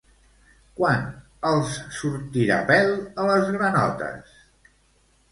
Quan els sortirà pèl a les granotes?